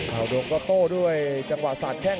เอาดงก็โต้ด้วยจังหวัดสัดแทง